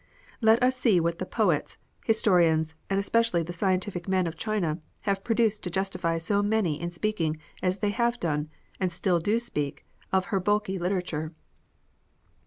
Let us see what the poets, historians, and especially the scientific men of China have produced to justify so many in speaking as they have done, and still do speak, of her bulky literature.